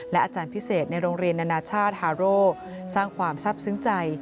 อาจารย์พิเศษในโรงเรียนนานาชาติฮาโร่สร้างความซับซึ้งใจ